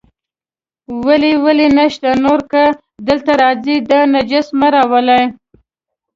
ولې ولې نشته، نور که دلته راځئ، دا نجس مه راولئ.